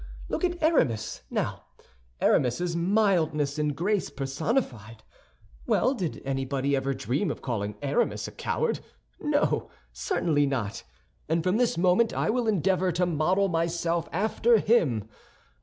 Look at Aramis, now; Aramis is mildness and grace personified. Well, did anybody ever dream of calling Aramis a coward? No, certainly not, and from this moment I will endeavor to model myself after him.